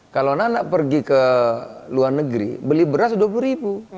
kalau nana pergi ke luar negeri beli beras dua puluh ribu